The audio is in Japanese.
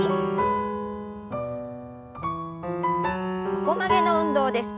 横曲げの運動です。